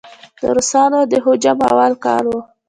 د روسانو د هجوم اول کال و.